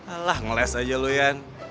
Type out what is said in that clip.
alah ngeles aja lo yan